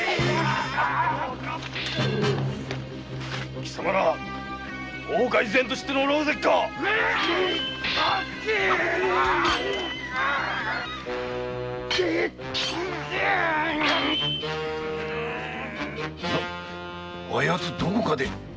貴様ら大岡越前と知っての狼藉か⁉あやつどこかで。